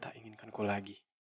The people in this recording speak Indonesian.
tidak inginkanku lagi